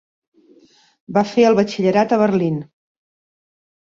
Va fer el batxillerat a Berlín.